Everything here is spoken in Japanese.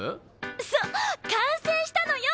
そう完成したのよ！